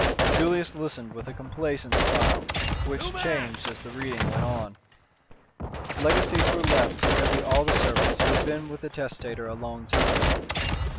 Julius listened with a complacent smile, which changed as the reading went on. Legacies were left to nearly all the servants who had been with the testator a long time.